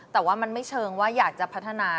แต่ว่ามันไม่เชิงว่าอยากจะพัฒนา